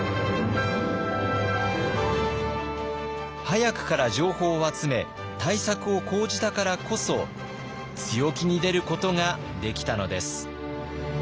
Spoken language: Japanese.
早くから情報を集め対策を講じたからこそ強気に出ることができたのです。